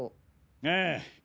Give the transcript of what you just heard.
ああ。